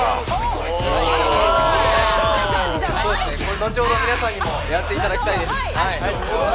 後ほど皆さんにもやっていただきたいです。